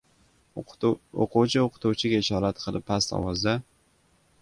O‘quvchi o‘qituvchiga ishorat qilib past ovozda: